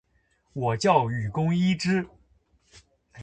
我叫雨宫伊织！